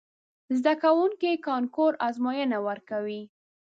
زده کوونکي کانکور ازموینه ورکوي.